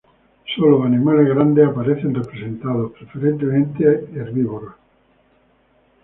Solo animales grandes aparecen representados, preferentemente aquí herbívoros.